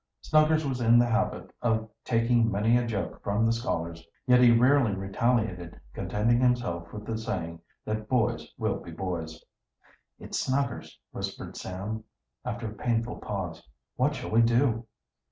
Snuggers was in the habit of taking many a joke from the scholars, yet he rarely retaliated, contenting himself with the saying that "boys will be boys." "It's Snuggers!" whispered Sam, after a painful pause. "What shall we do?"